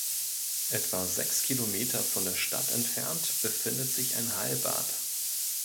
Etwa sechs Kilometer von der Stadt entfernt befindet sich ein Heilbad.